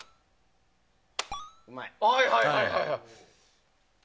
はいはい、はいはい。